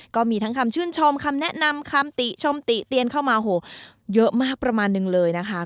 ก็มีทั้งคำชื่นชมคำแนะนำคำติชมติเตียนเข้ามาโหเยอะมากประมาณนึงเลยนะคะ